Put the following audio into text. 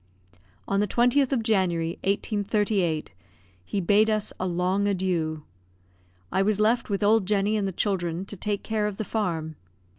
On the 20th of January, 1838, he bade us a long adieu. I was left with old Jenny and the children to take care of the farm.